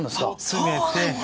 詰めて。